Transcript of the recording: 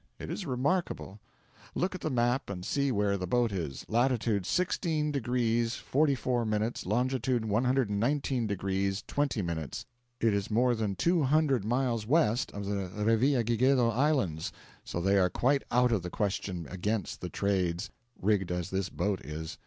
It is remarkable. Look at the map and see where the boat is: latitude 16 degrees 44 minutes, longitude 119 degrees 20 minutes. It is more than two hundred miles west of the Revillagigedo Islands, so they are quite out of the question against the trades, rigged as this boat is.